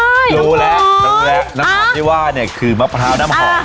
รู้แหละรู้แหละน้ำหอมที่ว่าเนี่ยคือมะพร้าวน้ำหอมแน่เลย